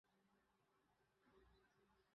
Merlin Productions soon proved financially unviable.